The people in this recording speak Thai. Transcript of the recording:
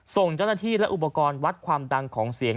ส่งเจ้าหน้าที่และอุปกรณ์วัดความดังของเสียง